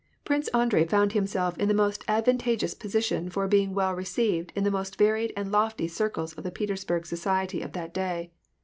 Prince Andrei found himself in the most advantageous posi tion for being well received in the most varied and lofty cir cles of the Petersburg society of that day.